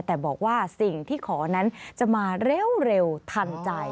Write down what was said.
แต่บอกว่าสิ่งที่ขอนั้นจะมาเร็วทันใจ